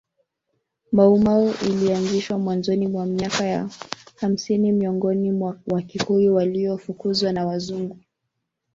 Mau Mau ilianzishwa mwanzoni mwa miaka ya hamsini miongoni mwa Wakikuyu waliofukuzwa na Wazungu